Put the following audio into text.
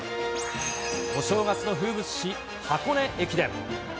お正月の風物詩、箱根駅伝。